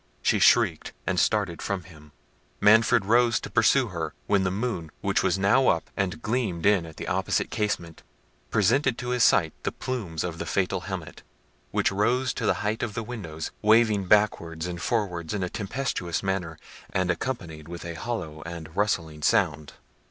She shrieked, and started from him, Manfred rose to pursue her, when the moon, which was now up, and gleamed in at the opposite casement, presented to his sight the plumes of the fatal helmet, which rose to the height of the windows, waving backwards and forwards in a tempestuous manner, and accompanied with a hollow and rustling sound.